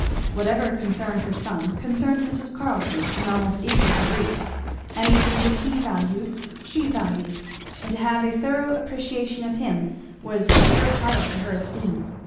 Whatever concerned her son concerned Mrs. Carleton in almost equal degree; anything that he valued she valued; and to have a thorough appreciation of him was a sure title to her esteem.